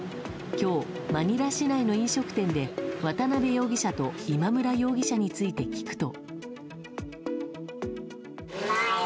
今日、マニラ市内の飲食店で渡辺容疑者と今村容疑者について聞くと。